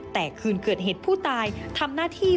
แต่คืนเกิดเหตุผู้ตายทำหน้าที่